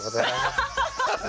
アハハハハ！